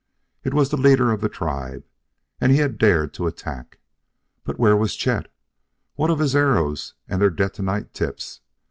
It was the leader of the tribe, and he had dared to attack. But where was Chet? What of his arrows and their detonite tips?